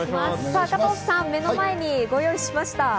加藤さん、目の前にご用意しました。